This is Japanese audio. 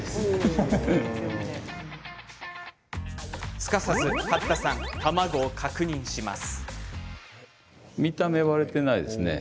すかさず、八田さん確認します。